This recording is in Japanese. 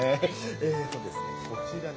えっとですねこちらに。